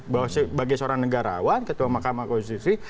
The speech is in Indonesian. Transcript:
bahwa sebagai seorang negarawan ketua mahkamah konstitusi tidak layak